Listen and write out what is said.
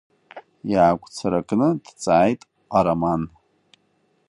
Иаагәцаракны дҵааит Ҟараман.